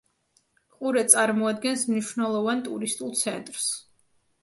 ყურე წარმოადგენს მნიშვნელოვან ტურისტულ ცენტრს.